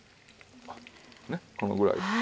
ねこのぐらい。